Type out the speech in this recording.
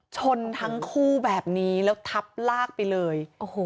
ชนทั้งคู่แบบนี้แล้วทับลากไปเลย